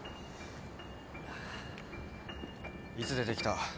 いつ出てきた？